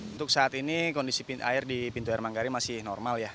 untuk saat ini kondisi air di pintu air manggari masih normal ya